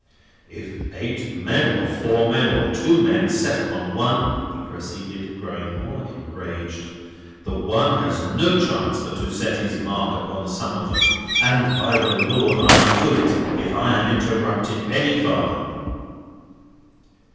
"If eight men, or four men, or two men, set upon one," he proceeded, growing more enraged, "the one has no chance but to set his mark upon some of them. And, by the Lord, I'll do it, if I am interrupted any farther!"